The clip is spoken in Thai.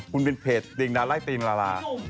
คุณเป็นเพจเตียงดาราและเตียงดารา